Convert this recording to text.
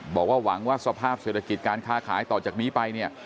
บอกว่าหวังว่าสภาพเศรษฐกิจการค้าขายต่อจากนี้ไปเนี่ย